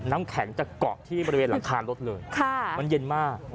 น้ำแข็งจะเกาะที่บริเวณหลังคารถเลยมันเย็นมาก